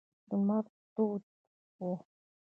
لمر تود و.